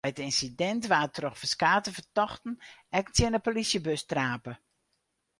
By it ynsidint waard troch ferskate fertochten ek tsjin de polysjebus trape.